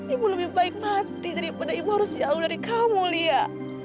ibu lebih baik mati daripada ibu harus jauh dari kamu lihat